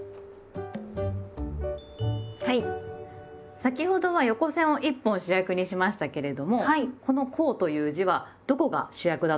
先ほどは横線を１本主役にしましたけれどもこの「香」という字はどこが主役だと思いますか？